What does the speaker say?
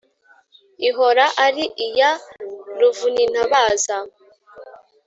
Ihora ari iya Ruvunintabaza